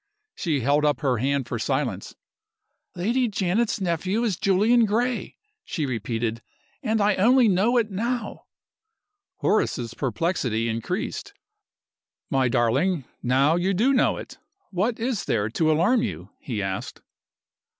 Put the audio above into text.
She held up her hand for silence. "Lady Janet's nephew is Julian Gray," she repeated; "and I only know it now!" Horace's perplexity increased. "My darling, now you do know it, what is there to alarm you?" he asked.